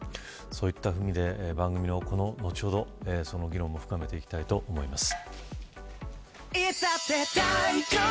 そういった意味で番組は後ほどその議論を深めていきたいと思います。